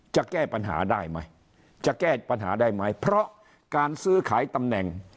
จะแก้ปัญหาได้ไหมจะแก้ปัญหาได้ไหมเพราะการซื้อขายตำแหน่ง